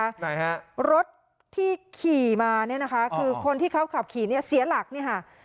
ไหนฮะรถที่ขี่มาเนี่ยนะคะคือคนที่เขาขับขี่เนี่ยเสียหลักเนี่ยค่ะ